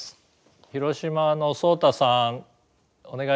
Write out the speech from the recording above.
広島のそうたさんお願いします。